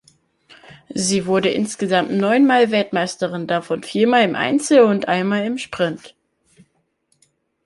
Sie wurde insgesamt neunmal Weltmeisterin davon viermal im Einzel und einmal im Sprint.